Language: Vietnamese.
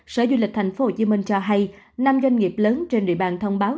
sở du lịch thành phố hồ chí minh cho hay năm doanh nghiệp lớn trên địa bàn thông báo